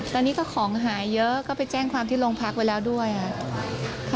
ตอนนี้ก็ของหายเยอะก็ไปแจ้งความที่โรงพักไว้แล้วด้วยค่ะ